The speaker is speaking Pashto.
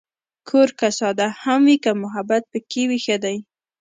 کور که ساده هم وي، که محبت پکې وي، ښه دی.